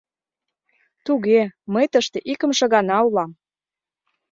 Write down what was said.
— Туге, мый тыште икымше гана улам.